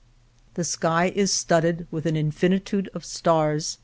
The sky is studded with an infinitude of stars.